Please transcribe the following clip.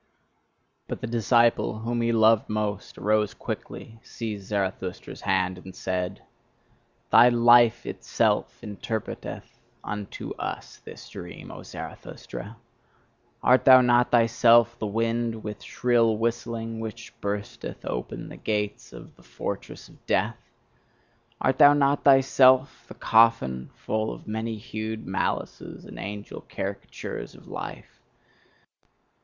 But the disciple whom he loved most arose quickly, seized Zarathustra's hand, and said: "Thy life itself interpreteth unto us this dream, O Zarathustra! Art thou not thyself the wind with shrill whistling, which bursteth open the gates of the fortress of Death? Art thou not thyself the coffin full of many hued malices and angel caricatures of life?